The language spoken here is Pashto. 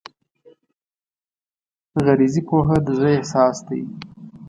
غریزي پوهه د زړه احساس دی.